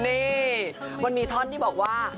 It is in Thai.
นี่มันมีท่อนที่บอกว่า